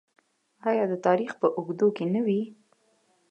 آیا د تاریخ په اوږدو کې نه وي؟